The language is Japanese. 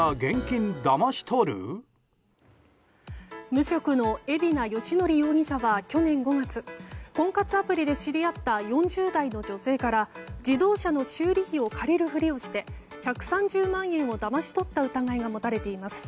無職の海老名義憲容疑者は去年５月婚活アプリで知り合った４０代の女性から自動車の修理費を借りる振りをして１３０万円をだまし取った疑いが持たれています。